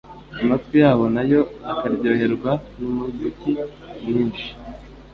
amatwi yabo na yo akaryoherwa n'umuziki mwinshi,